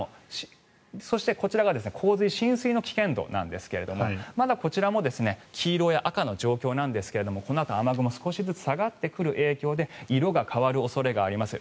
そして、こちらが洪水、浸水の危険度なんですがまだこちらも黄色や赤の状況なんですけどもこのあと雨雲が少しずつ下がってくる影響で色が変わる恐れがあります。